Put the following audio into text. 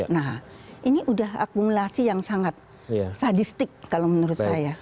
nah ini udah akumulasi yang sangat sadistik kalau menurut saya